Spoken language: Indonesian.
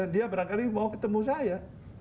dia berangkali mau ketemu saya